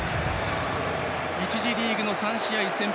１次リーグの３試合先発。